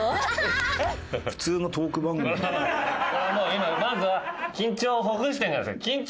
今まずは緊張をほぐしてるんじゃないですか？